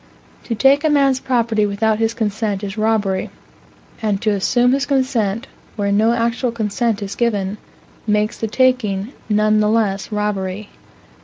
To take a man's property without his consent is robbery; and to assume his consent, where no actual consent is given, makes the taking none the less robbery.